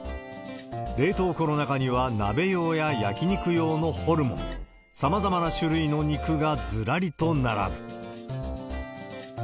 冷凍庫の中には鍋用や焼き肉用のホルモン、さまざまな種類の肉がずらりと並ぶ。